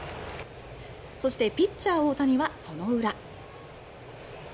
そして、ピッチャー・大谷はその裏。